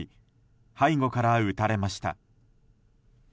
背後から撃たれました。